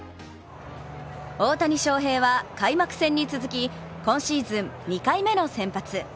大谷翔平は開幕戦に続き今シーズン２回目の先発。